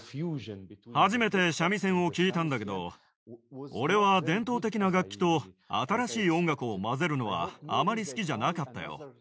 初めて三味線を聴いたんだけど、俺は伝統的な楽器と新しい音楽を混ぜるのは、あまり好きじゃなかったよ。